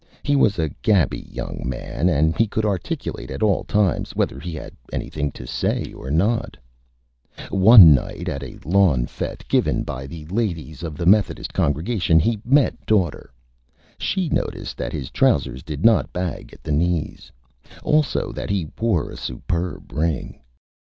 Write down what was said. He was a Gabby Young Man, and he could Articulate at all Times, whether he had anything to Say or not. [Illustration: DAUGHTER] One night, at a Lawn Fête given by the Ladies of the Methodist Congregation, he met Daughter. She noticed that his Trousers did not bag at the Knees; also that he wore a superb Ring.